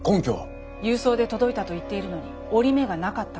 郵送で届いたと言っているのに折り目がなかったこと。